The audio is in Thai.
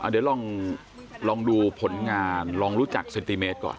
เดี๋ยวลองดูผลงานลองรู้จักเซนติเมตรก่อน